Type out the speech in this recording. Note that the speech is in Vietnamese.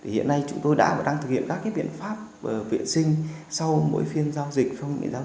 hiện nay chúng tôi đang thực hiện các biện pháp vệ sinh sau mỗi phiên giao dịch